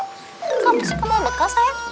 kamu suka mau bekal sayang